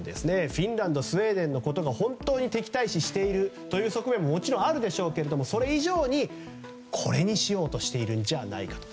フィンランドスウェーデンのことを本当に敵対視しているという側面ももちろんあるでしょうけれどもそれ以上に交渉のカードにしようとしているのではないかと。